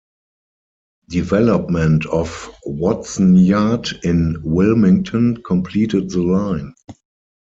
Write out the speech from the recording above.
Development of Watson Yard in Wilmington completed the line.